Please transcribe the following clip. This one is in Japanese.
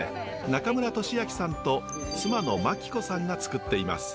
中村利昭さんと妻の眞貴子さんがつくっています。